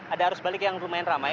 ada arus balik yang lumayan ramai